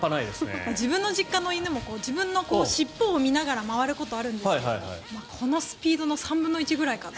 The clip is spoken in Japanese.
自分の実家の犬も自分の尻尾を見ながら回ることがあるんですがこのスピードの３分の１ぐらいかな。